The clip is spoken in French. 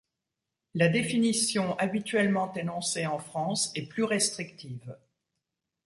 La définition habituellement énoncée en France est plus restrictive.